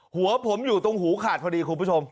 หัวผมอยู่ตรงหูขาดพอดีคุณผู้ชม